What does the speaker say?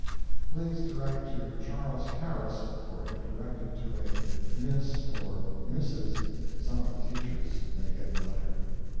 Please direct to Charles Harris for if directed to a Miss or Mrs. some of the teachers may get the letter.